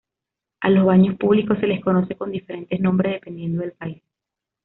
A los baños públicos se les conoce con diferentes nombres dependiendo del país.